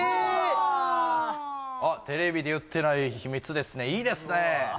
テレビで言ってない秘密ですねいいですね